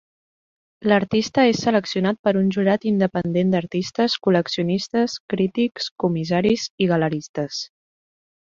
L'artista és seleccionat per un jurat independent d'artistes, col·leccionistes, crítics, comissaris i galeristes.